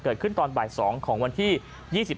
โอ้โหออกมาจากการไปซื้อของเห็นอย่างนี้ก็ตกใจสิครับ